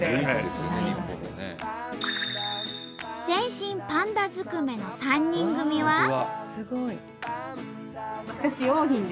全身パンダずくめの３人組は。